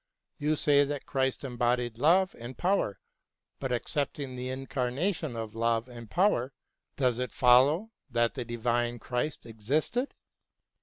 You say that Christ embodied love and power ; but, accepting the incarnation of love and power, does it follow that the divine Christ existed